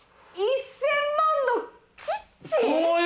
１０００万のキッチン？